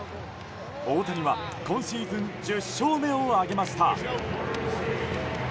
大谷は今シーズン１０勝目を挙げました。